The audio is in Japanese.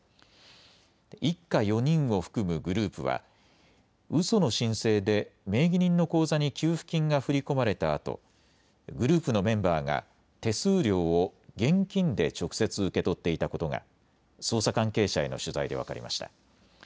一家４人を含むグループはうその申請で名義人の口座に給付金が振り込まれたあとグループのメンバーが手数料を現金で直接受け取っていたことが捜査関係者への取材で分かりました。